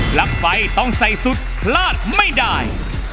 ลั๊กไฟต้องใส่สุดพลาดไม่ได้